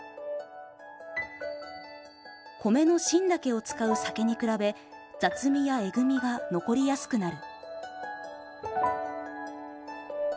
米の芯だけを使う酒に比べ雑味やえぐみが残りやすくなる。